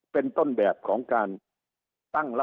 สุดท้ายก็ต้านไม่อยู่